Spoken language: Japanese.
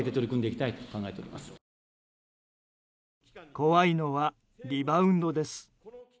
怖いのはリバウンドです。